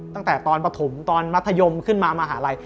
ตั้งแต่ตอนปฐมตอนมัธยมขึ้นมามหาลัย